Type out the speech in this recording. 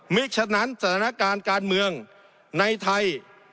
ฉะนั้นสถานการณ์การเมืองในไทย